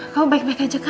kamu baik baik aja kan